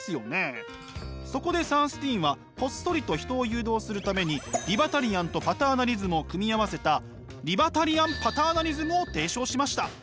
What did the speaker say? そこでサンスティーンはこっそりと人を誘導するためにリバタリアンとパターナリズムを組み合わせたリバタリアン・パターナリズムを提唱しました。